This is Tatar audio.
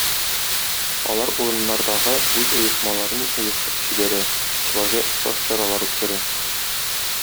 Алар урыннардагы үз оешмаларын оештырып җибәрә, фестивальгә охшаш чаралар үткәрә.